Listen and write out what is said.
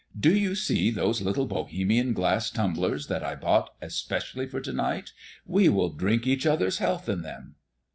Do you see those little Bohemian glass tumblers that I bought especially for to night? We will drink each other's health in them."